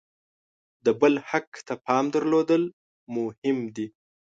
د بل حق ته پام درلودل مهم دي.